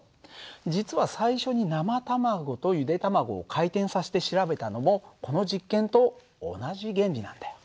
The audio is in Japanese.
実は最初に生卵とゆで卵を回転させて調べたのもこの実験と同じ原理なんだよ。